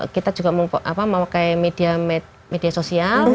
kita juga memakai media sosial